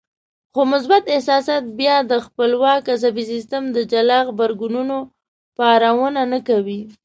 خو مثبت احساسات بيا د خپلواک عصبي سيستم د جلا غبرګونونو پارونه نه کوي.